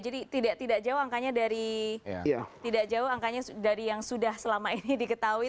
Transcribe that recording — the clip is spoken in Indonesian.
jadi tidak jauh angkanya dari yang sudah selama ini diketahui